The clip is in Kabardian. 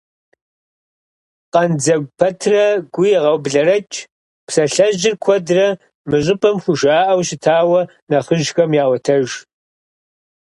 «Къандзэгу пэтрэ гу егъэублэрэкӀ» псалъэжьыр куэдрэ мы щӀыпӀэм хужаӀэу щытауэ нэхъыжьхэм яӀуэтэж.